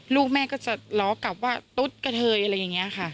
ลูกแม่ก็จะล้อกลับว่าตุ๊ดกระเทยอะไรอย่างนี้ค่ะ